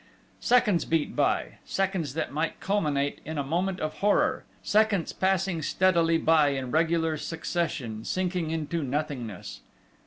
Seconds beat by seconds that might culminate in a moment of horror seconds passing steadily by in regular succession, sinking into nothingness....